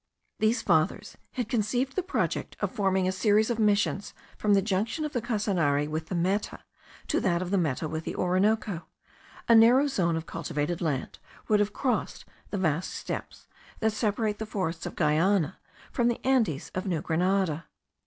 These Fathers had conceived the project of forming a series of Missions from the junction of the Casanare with the Meta to that of the Meta with the Orinoco. A narrow zone of cultivated land would have crossed the vast steppes that separate the forests of Guiana from the Andes of New Grenada.